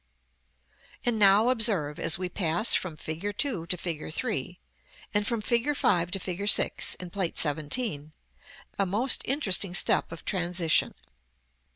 And now observe, as we pass from fig. 2 to fig. 3, and from fig. 5 to fig. 6, in Plate XVII., a most interesting step of transition.